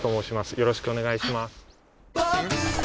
よろしくお願いします。